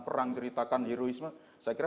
perang ceritakan heroisme saya kira